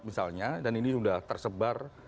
misalnya dan ini sudah tersebar